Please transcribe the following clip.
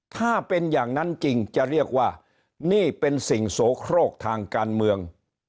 ถ้าเป็นอย่างนั้นจริงจะเรียกว่านี่เป็นสิ่งโสโครกทางการเมือง